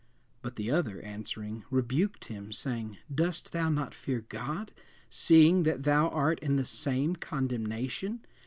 But the other answering, rebuked him, saying, Dost thou not fear God, seeing that thou art in the same condemnation?